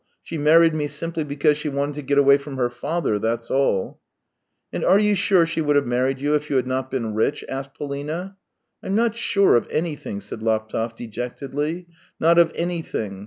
She married me simply because she wanted to get away from her father, that's all." "And are you sure she would have married you if you had not been rich ?" asked Polina. "I'm not sure of anything." said Laptev dejectedly. " Not of anything.